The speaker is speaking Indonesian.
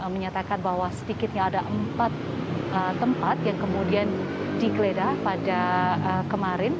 menyatakan bahwa sedikitnya ada empat tempat yang kemudian digeledah pada kemarin